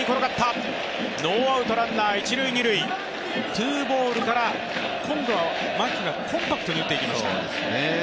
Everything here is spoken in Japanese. ツーボールから今度は牧がコンパクトに打っていきました。